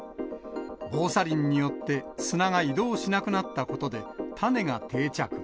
防砂林によって砂が移動しなくなったことで、種が定着。